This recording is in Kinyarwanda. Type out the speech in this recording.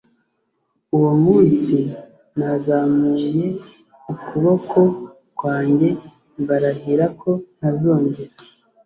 Uwo munsi nazamuye ukuboko kwanjye mbarahira ko ntazongera